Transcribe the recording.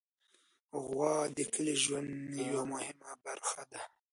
غوا د کلي ژوند یوه مهمه برخه ده.